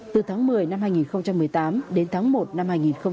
từ tháng một mươi năm hai nghìn một mươi tám đến tháng một năm hai nghìn một mươi chín